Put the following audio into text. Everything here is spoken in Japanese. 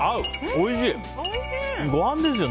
おいしい。